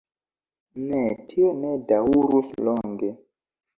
Ne, tio ne daŭrus longe.